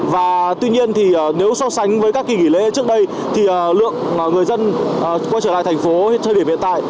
và tuy nhiên thì nếu so sánh với các kỳ nghỉ lễ trước đây thì lượng người dân quay trở lại thành phố thời điểm hiện tại